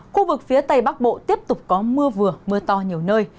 khu vực phía tây bắc bộ tiếp tục có mưa vừa mưa to nhiều nơi